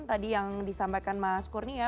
tadi yang disampaikan mas kurnia